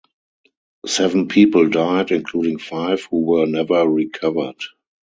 Seven people died, including five who were never recovered.